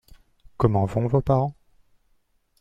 Comment vont vos parents ?